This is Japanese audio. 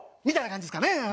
みたいな感じですかね。